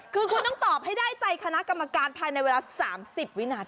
คือคุณต้องตอบให้ได้ใจคณะกรรมการภายในเวลา๓๐วินาที